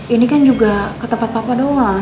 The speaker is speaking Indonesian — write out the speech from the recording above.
ini kan juga ketempat papa doang